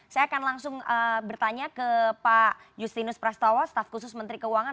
saya akan langsung bertanya ke pak justinus prastowo staf khusus menteri keuangan